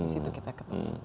di situ kita ketemu